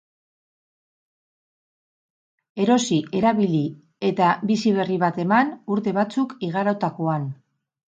Erosi, erabili eta bizi berri bat eman, urte batzuk igarotakoan.